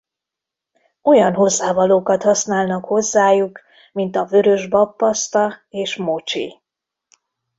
Olyan hozzávalókat használnak hozzájuk mint a vörös bab paszta és mocsi.